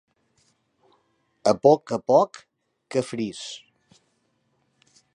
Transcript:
A poc a poc, que fris.